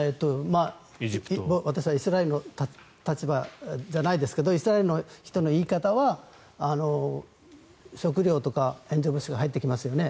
私はイスラエルの立場じゃないですけどイスラエルの人の言い方は食料とか援助物資が入ってきますよね。